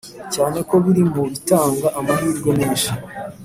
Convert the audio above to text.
cyane ko biri mu bitanga amahirwe menshi